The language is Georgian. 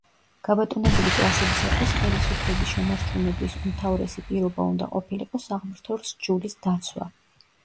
გაბატონებული კლასებისათვის ხელისუფლების შენარჩუნების უმთავრესი პირობა უნდა ყოფილიყო „საღმრთო სჯულის“ დაცვა.